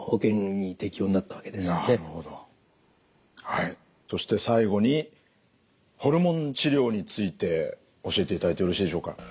はいそして最後にホルモン治療について教えていただいてよろしいでしょうか。